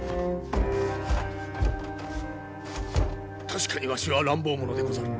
確かにわしは乱暴者でござる。